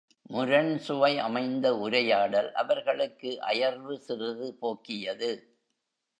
முரண்சுவை அமைந்த உரையாடல் அவர்களுக்கு அயர்வு சிறிது போக்கியது.